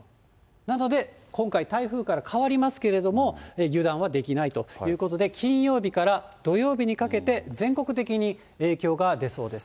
なので、今回、台風から変わりますけれども、油断はできないということで、金曜日から土曜日にかけて、全国的に影響が出そうです。